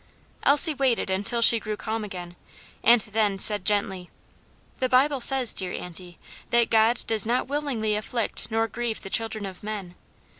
Elsie waited until she grew calm again, and then said gently, "The Bible says, dear aunty, that God 'does not willingly afflict nor grieve the children of men.'